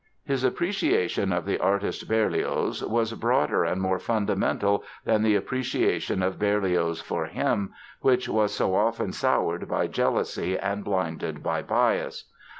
His appreciation of the artist Berlioz was broader and more fundamental than the appreciation of Berlioz for him, which was so often soured by jealousy and blinded by bias.